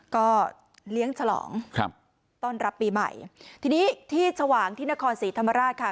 ก็เลี้ยงฉลองครับต้อนรับปีใหม่ทีนี้ที่ชวางที่นครศรีธรรมราชค่ะ